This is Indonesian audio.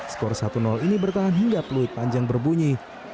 skor satu ini bertahan hingga peluit panjang berbunyi